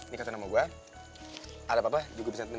udah udah tua ya emang